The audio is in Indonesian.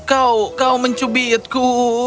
kau kau mencubitku